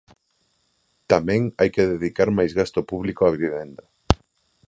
Tamén hai que dedicar máis gasto público á vivenda.